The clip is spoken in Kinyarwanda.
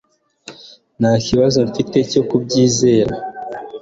Nta kibazo mfite cyo kubyizera